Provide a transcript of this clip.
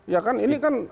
ya kan ini kan